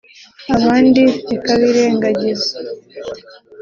abandi zikabirengagiza